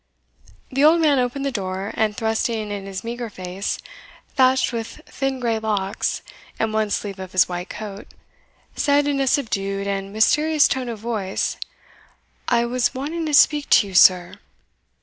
The old man opened the door, and thrusting in his meagre face, thatched with thin grey locks, and one sleeve of his white coat, said in a subdued and mysterious tone of voice, "I was wanting to speak to you, sir."